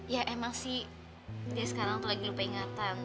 ya emang sih kayak sekarang tuh lagi lupa ingatan